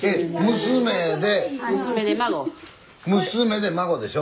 娘で孫でしょ？